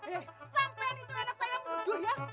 eh sampean itu anak saya yang muduh ya